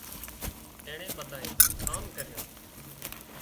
اينڻي ٻڌُونئي ڪام ڪريُون